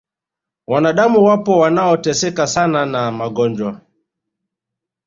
wanadamu wapo wanaoteseka sana na magonjwa